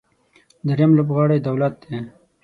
درېیم لوبغاړی دولت دی.